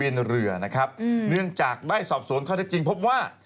เนื่องจากได้สอบสวนข้อได้จริงพบว่า